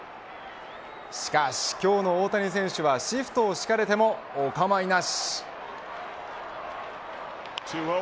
しかし今日の大谷選手はシフトをしかれてもお構いなし。